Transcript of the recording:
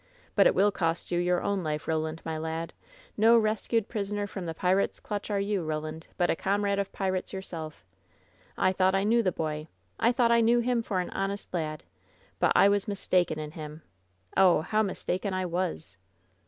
But it will cost you your own life, Roland, my lad! No rescued pris oner from the pirate's clutch are you, Roland, but a com rade of pirates yourself! I thought I knew the boy! I thought I knew him for an honest lad! But I was mis taken in him! Oh, how mistaken I was!"